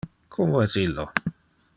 Como es illo?